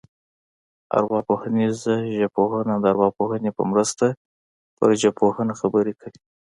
ارواپوهنیزه ژبپوهنه د ارواپوهنې په مرسته پر ژبپوهنه خبرې کوي